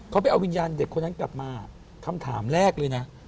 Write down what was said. เขาไปเอาวิญญาณเด็กคนนั้นกลับมาคำถามแรกเลยนะ